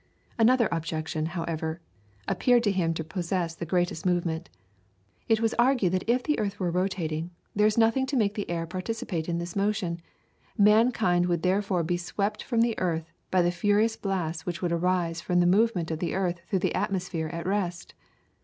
Another objection, however, appeared to him to possess the gravest moment. It was argued that if the earth were rotating, there is nothing to make the air participate in this motion, mankind would therefore be swept from the earth by the furious blasts which would arise from the movement of the earth through an atmosphere at rest.